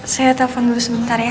saya telepon dulu sebentar ya